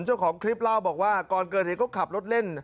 เจ้าของคลิปเล่าบอกว่าก่อนเกิดเหตุก็ขับรถเล่น